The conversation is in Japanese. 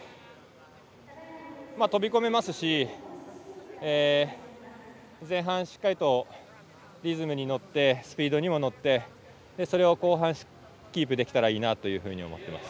飛び込めますし前半、しっかりとリズムに乗ってスピードにも乗ってそれを後半、キープできたらいいなと思ってます。